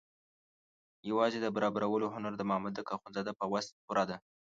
یوازې د برابرولو هنر د مامدک اخندزاده په وس پوره ده.